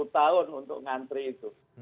tiga puluh tahun untuk ngantri itu